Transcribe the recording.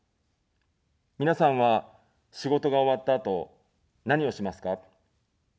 皆さんは、仕事が終わったあと、何をしますか。